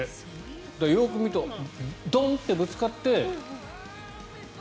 だから、よく見るとドンッてぶつかって。